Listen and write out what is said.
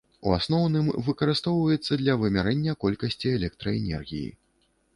У асноўным выкарыстоўваецца для вымярэння колькасці электраэнергіі.